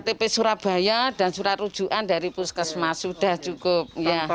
ktp surabaya dan surat rujukan dari puskesmas sudah cukup